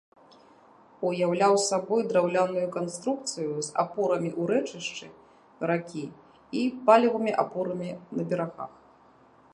Уяўляў сабой драўляную канструкцыю з апорамі ў рэчышчы ракі і палевымі апорамі на берагах.